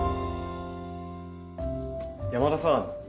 山田さん